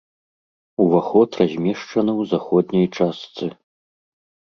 Уваход размешчаны ў заходняй частцы.